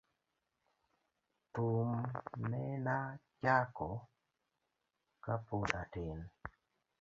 Thum nena chako ka pod atin.